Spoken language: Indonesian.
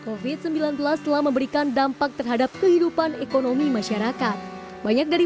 covid sembilan belas telah memberikan dampak terhadap kehidupan ekonomi masyarakat banyak dari